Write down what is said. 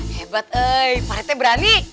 hebat ee pak rete berani